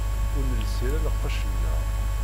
Ur nelsi ara lqecc-nteɣ.